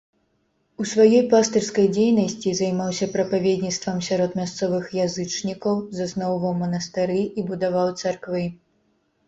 У сваёй пастырскай дзейнасці займаўся прапаведніцтвам сярод мясцовых язычнікаў, засноўваў манастыры і будаваў царквы.